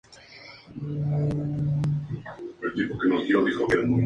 Baldwin llamó a esto síndrome de alienación parental.